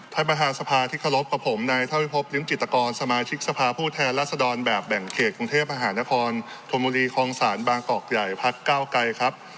ท่านประธานสภาที่เคารพกับผมนายเท่าวิพบริมจิตกรสมาชิกสภาผู้แทนรัศดรแบบแบ่งเขตกรุงเทพมหานครธนบุรีคลองศาลบางกอกใหญ่พักเก้าไกรครับ